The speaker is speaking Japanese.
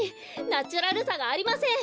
ナチュラルさがありません！